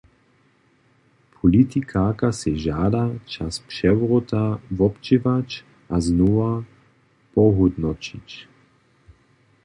Politikarka sej žada, čas přewróta wobdźěłać a znowa pohódnoćić.